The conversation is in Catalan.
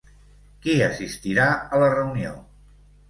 Qui assistirà a la reunió?